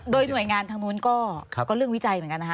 โดยหน่วยงานทางนู้นก็เรื่องวิจัยเหมือนกันนะคะ